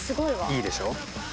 いいでしょ？